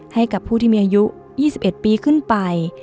ให้กับผู้ที่มีอายุ๒๑ปีขึ้นไป